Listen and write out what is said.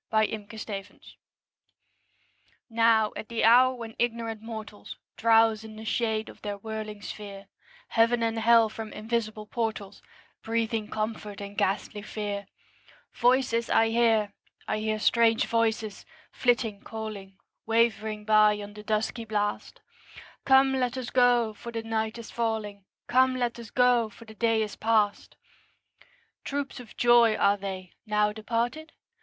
TWILIGHT VOICES Now, at the hour when ignorant mortals Drowse in the shade of their whirling sphere, Heaven and Hell from invisible portals Breathing comfort and ghastly fear, Voices I hear; I hear strange voices, flitting, calling, Wavering by on the dusky blast, 'Come, let us go, for the night is falling; Come, let us go, for the day is past!' Troops of joys are they, now departed?